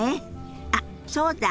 あっそうだ！